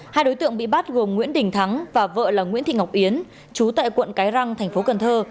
hai đối tượng bị bắt gồm nguyễn đình thắng và vợ là nguyễn thị ngọc yến chú tại quận cái răng thành phố cần thơ